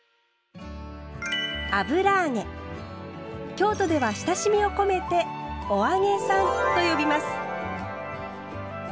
京都では親しみを込めて「お揚げさん」と呼びます。